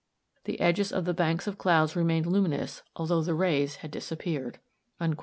The edges of the banks of clouds remained luminous, although the rays had disappeared." [Illustration: Fig.